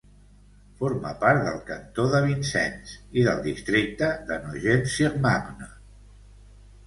Forma part del cantó de Vincennes i del districte de Nogent-sur-Marne.